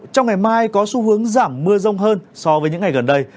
trong ngày mai có xu hướng giảm mưa rông hơn so với những ngày gần đây